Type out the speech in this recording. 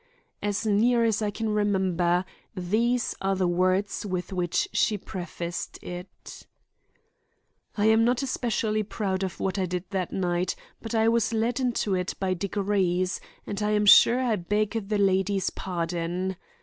As near as I can remember, these are the words with which she prefaced it: "I am not especially proud of what I did that night, but I was led into it by degrees, and I am sure I beg the lady's pardon."